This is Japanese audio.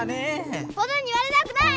ポタに言われたくない！